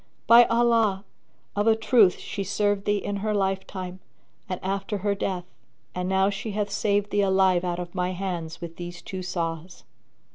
By Allah, of a truth she served thee in her life time and after her death, and now she hath saved thee alive out of my hands with these two saws.